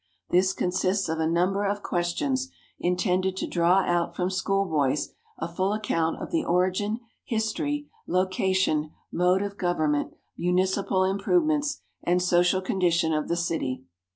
This consists of a number of questions intended to draw out from schoolboys a full account of the origin, history, location, mode of government, municipal improve ments, and social condition of the city.